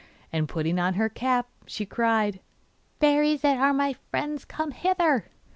And putting on her cap, she cried: Fairies that are my friends, come hither!